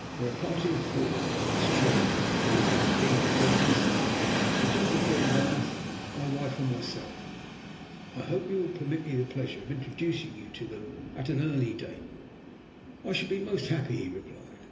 "We are a party of four Miss Trevor (the daughter of the Dean of Bedminster), the Duke of Glenbarth, my wife, and myself. I hope you will permit me the pleasure of introducing you to them at an early date." "I shall be most happy," he replied.